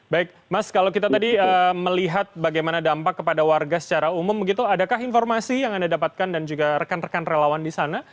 baik mas kalau kita tadi melihat bagaimana dampak kepada warga secara umum begitu adakah informasi yang anda dapatkan dan juga rekan rekan relawan di sana